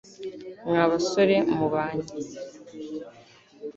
mwa basore mubanye